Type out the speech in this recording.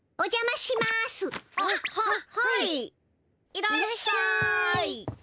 いらっしゃい。